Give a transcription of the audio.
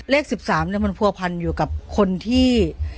เลข๑๓มันผัวพันอยู่กับคนที่